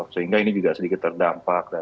sehingga ini juga sedikit terdampak